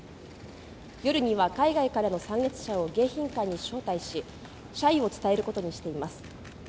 夜には海外からの参列者を迎賓館に招待し謝意を伝えることにしています。